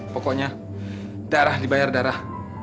pokoknya darah dibayar darah